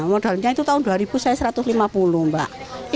modalnya itu tahun dua ribu saya satu ratus lima puluh mbak